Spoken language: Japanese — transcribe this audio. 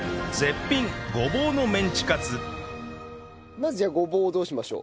まずじゃあごぼうをどうしましょう？